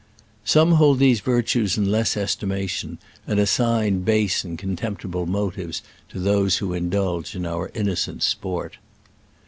Some hold these virtues in less esti mation, and assign base and contempt ible motives to those who indulge in our innocent sport.